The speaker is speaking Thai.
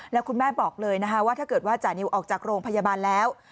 แล้วคุณแม่บอกเลยนะคะว่าถ้าเกิดว่าจานิวออกจากโรงพยาบาลแล้ว